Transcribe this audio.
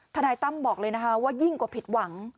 นายตั้มบอกเลยนะคะว่ายิ่งกว่าผิดหวัง